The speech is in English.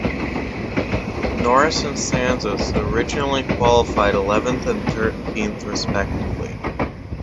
Norris and Sainz originally qualified eleventh and thirteenth respectively.